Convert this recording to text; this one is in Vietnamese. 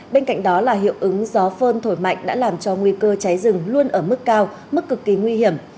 bên cạnh đó là hiệu ứng gió phơn thổi mạnh đã làm cho nguy cơ cháy rừng luôn ở mức cao mức cực kỳ nguy hiểm